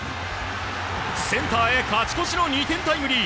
センターへ勝ち越しの２点タイムリー。